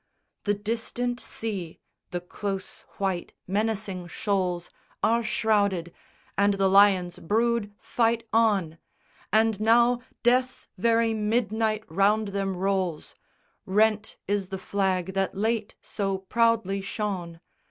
The distant sea, the close white menacing shoals Are shrouded! And the lion's brood fight on! And now death's very midnight round them rolls; Rent is the flag that late so proudly shone!